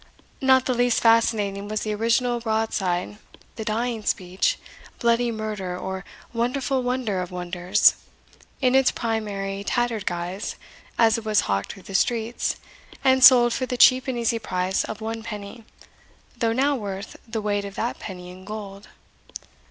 Not the least fascinating was the original broadside, the Dying Speech, Bloody Murder, or Wonderful Wonder of Wonders, in its primary tattered guise, as it was hawked through the streets, and sold for the cheap and easy price of one penny, though now worth the weight of that penny in gold.